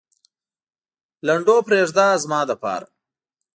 لنډو پرېږده زما لپاره.